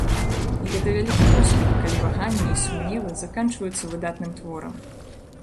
І гэта вялікі поспех, калі ваганні і сумневы заканчваюцца выдатным творам.